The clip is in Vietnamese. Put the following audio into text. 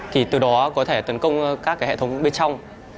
thì từ đó có thể tấn công các cái hệ thống bên trong